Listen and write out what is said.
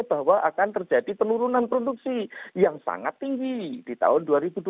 bahwa akan terjadi penurunan produksi yang sangat tinggi di tahun dua ribu dua puluh satu